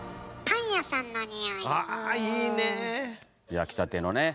焼きたてのね。